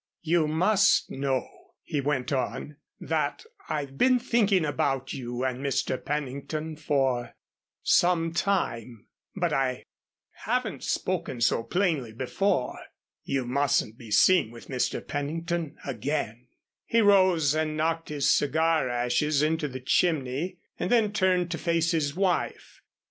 "You must know," he went on, "that I've been thinking about you and Mr. Pennington for some time, but I haven't spoken so plainly before. You mustn't be seen with Mr. Pennington again." He rose and knocked his cigar ashes into the chimney and then turned to face his wife.